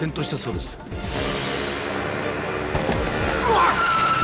うわっ！